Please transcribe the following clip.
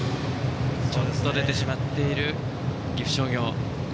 ちょっと出てしまっている岐阜商業。